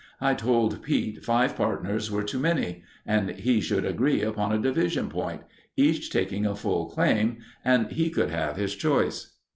I told Pete five partners were too many and we should agree upon a division point—each taking a full claim and he could have his choice.